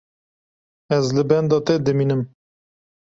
Ez li benda te dimînim.